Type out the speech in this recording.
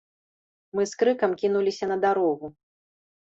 Мы з крыкам кінуліся на дарогу.